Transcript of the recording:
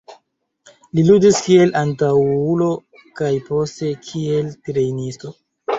Li ludis kiel antaŭulo kaj poste kiel trejnisto.